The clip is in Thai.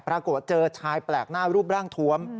ปรากฏเจอชายแปลกหน้ารูปร่างทวม